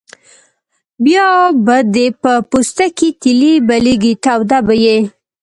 بیا به دې په پوستکي تیلی بلېږي توده به یې.